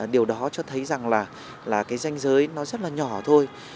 điều đó cho thấy rằng là cái danh giới nó rất là nhỏ thôi